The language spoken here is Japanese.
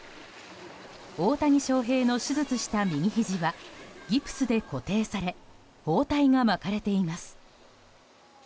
大谷翔平の手術した右ひじはギプスで固定され包帯が巻かれています。